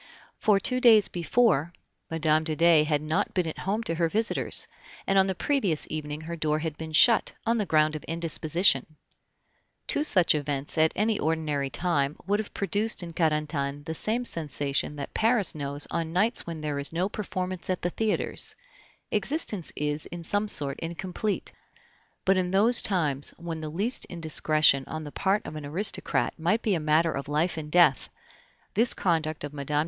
For two days before Mme. de Dey had not been at home to her visitors, and on the previous evening her door had been shut, on the ground of indisposition. Two such events at any ordinary time would have produced in Carentan the same sensation that Paris knows on nights when there is no performance at the theaters existence is in some sort incomplete; but in those times when the least indiscretion on the part of an aristocrat might be a matter of life and death, this conduct of Mme.